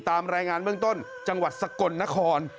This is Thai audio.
ตามรายงานเบื้องต้นจังหวัดสกลนคร